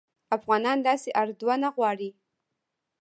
افغانان داسي اردوه نه غواړي